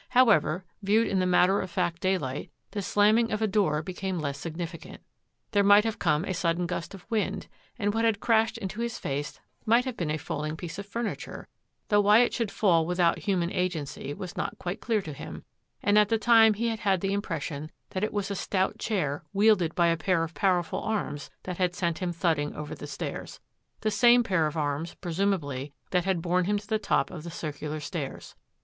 However, viewed in the mat ter of fact daylight, the slamming of a door be came less significant. There might have come a sudden gust of wind, and what had crashed into his face might have been a falling piece of furni ture, though why it should fall without human agency was not quite clear to him, and at the time he had had the impression that it was a stout chair wielded by a pair of powerful arms that had sent him thudding over the stairs — the same pair of arms presumably that had borne him to the top of the circular stairs.